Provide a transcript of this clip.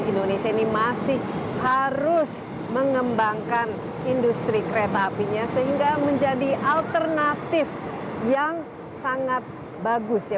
indonesia ini masih harus mengembangkan industri kereta apinya sehingga menjadi alternatif yang sangat bagus ya